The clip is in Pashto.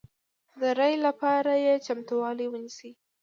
ري لپاره یې چمتوالی ونیسئ